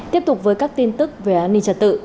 tiếp tục với các tin tức về an ninh trật tự